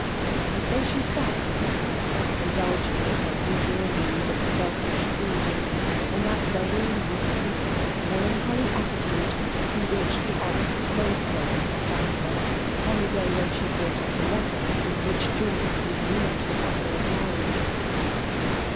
And so she sate for awhile indulging in her usual mood of selfish brooding, in that very listless melancholy attitude in which the honest maid servant had found her, on the day when she brought up the letter in which George renewed his offer of marriage.